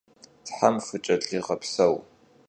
Them fıç'elhiğepseu.